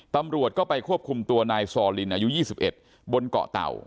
ตำรวจก็ไปควบคุมตัวนายซอลินอายุ๒๑บนเกาะเต่า